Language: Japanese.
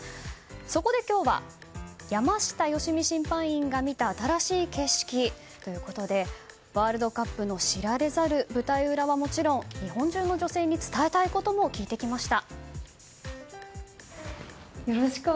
そこで今日は山下良美審判員が見た新しい景色ということでワールドカップの知られざる舞台裏はもちろん日本中の女性に伝えたいことも聞いてきました。